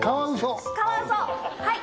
カワウソはい。